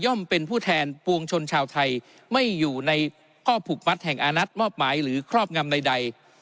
เป็นผู้แทนปวงชนชาวไทยไม่อยู่ในข้อผูกมัดแห่งอานัดมอบหมายหรือครอบงำใด